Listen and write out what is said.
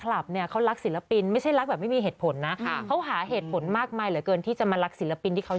รักของเราจะอยู่จนมนตาย